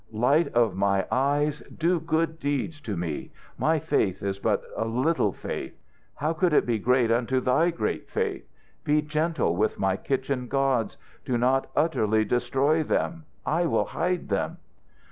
"Light of my Eyes, do good deeds to me. My faith is but a little faith. How could it be great unto thy great faith? Be gentle with my kitchen gods. Do not utterly destroy them. I will hide them."